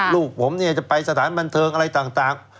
ลูกผมเนี่ยจะไปสถานบันเทิงอะไรต่าง